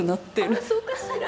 あらそうかしら。